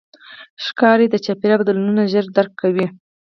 ښکاري د چاپېریال بدلونونه ژر درک کوي.